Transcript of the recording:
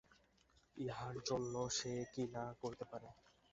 ইহার জন্য সে কি না করিতে পারে!